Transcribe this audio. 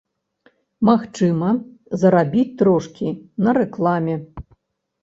Магчыма, зарабіць трошкі на рэкламе.